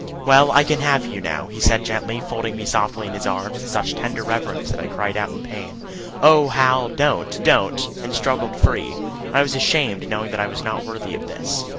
"Well, I can have you now," he said gently, folding me softly in his arms with such tender reverence that I cried out in pain, "Oh, Hal, don't, don't!" and struggled free. I was ashamed, knowing I was not worthy of this.